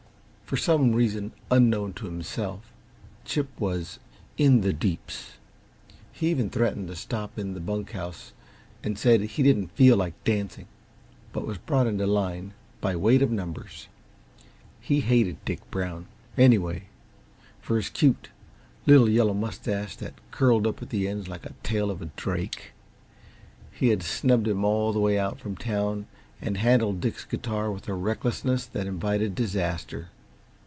For some reason unknown to himself, Chip was "in the deeps." He even threatened to stop in the bunk house and said he didn't feel like dancing, but was brought into line by weight of numbers. He hated Dick Brown, anyway, for his cute, little yellow mustache that curled up at the ends like the tail of a drake. He had snubbed him all the way out from town and handled Dick's guitar with a recklessness that invited disaster.